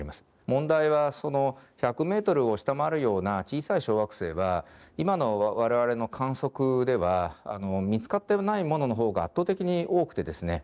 問題は１００ｍを下回るような小さい小惑星は今の我々の観測では見つかってないもののほうが圧倒的に多くてですね